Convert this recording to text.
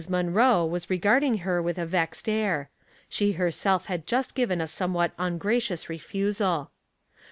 Munroe was regarding her with a vexed air; she herself had just given a somewhat un gracious refusal.